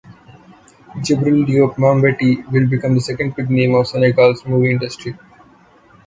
Djibril Diop Mambety will become the second big name of Senegal’s movie industry.